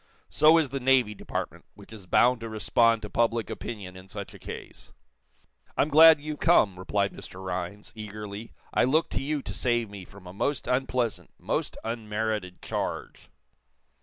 So is the Navy Department, which is bound to respond to public opinion in such a case." "I'm glad you've come," replied Mr. Rhinds, eagerly. "I look to you to save me from a most unpleasant, most unmerited charge."